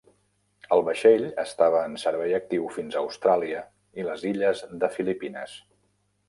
El vaixell estava en servei actiu fins a Austràlia i les illes de Filipines.